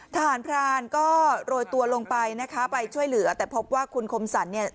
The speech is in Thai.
ทหารพรานก็โรยตัวลงไปนะคะไปช่วยเหลือแต่พบว่าคุณคมสรรเนี่ย